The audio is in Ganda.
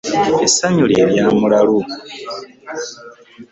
Essanyu lye lya mulalu .